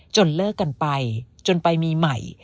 เลิกกันไปจนไปมีใหม่